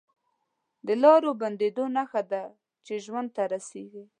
د لارو بندېدو نښه ده چې ژوند ته رسېږي